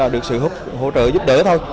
được sự hỗ trợ giúp đỡ thôi